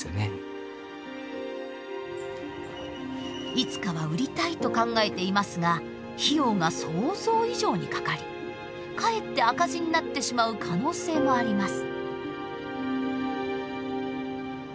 いつかは売りたいと考えていますが費用が想像以上にかかりかえって赤字になってしまう可能性もあります。